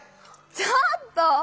ちょっとぉ！